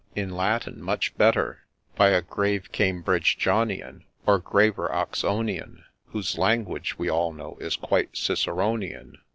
in Latin much better, By a grave Cambridge Johnian, Or graver Oxonian, Whose language, we all know, is quite Ciceronian.